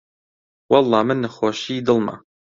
وەڵڵا من نەخۆشیی دڵمە